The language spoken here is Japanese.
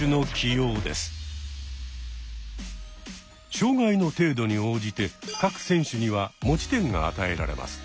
障害の程度に応じて各選手には持ち点が与えられます。